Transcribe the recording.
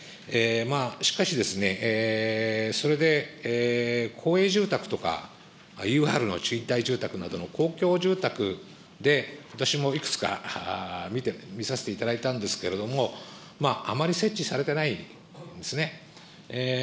しかしそれで公営住宅とか、ＵＲの賃貸住宅などの公共住宅で、私もいくつか見させていただいたんですけれども、あまり設置されていないんですね。